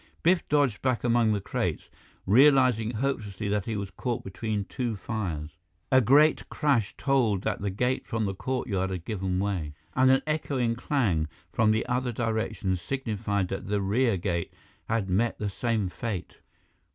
Biff dodged back among the crates, realizing hopelessly that he was caught between two fires. A great crash told that the gate from the courtyard had given way; and an echoing clang from the other direction signified that the rear gate had met the same fate.